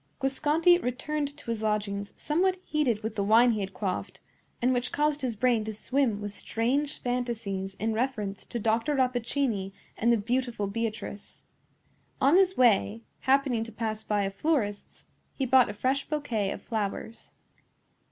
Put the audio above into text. Guasconti returned to his lodgings somewhat heated with the wine he had quaffed, and which caused his brain to swim with strange fantasies in reference to Dr. Rappaccini and the beautiful Beatrice. On his way, happening to pass by a florist's, he bought a fresh bouquet of flowers.